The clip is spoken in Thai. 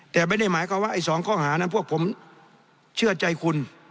แต่ไม่ได้หมายความว่าไอ้๒ข้อหานั้นพวกผมเชื่อใจคุณ